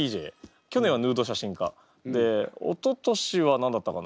去年はヌード写真家。でおととしは何だったかな？